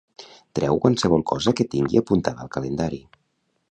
Treu qualsevol cosa que tingui apuntada al calendari.